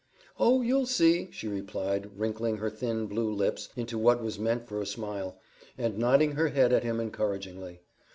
"Oh, you'll see!" she replied, wrinkling her thin, blue lips into what was meant for a smile, and nodding her head at him encouragingly.